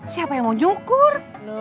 siapa yang mau nyungkur